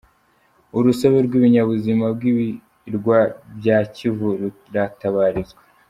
Urusobe rw’ibinyabuzima by’ibirwa bya Kivu ruratabarizwa